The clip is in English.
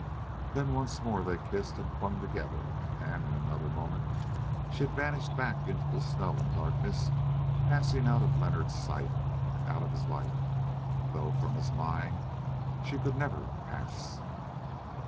Then once more they kissed and clung together, and in another moment she had vanished back into the snow and darkness, passing out of Leonard's sight and out of his life, though from his mind she could never pass.